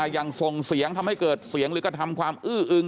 ส่งเสียงทำให้เกิดเสียงหรือกระทำความอื้ออึง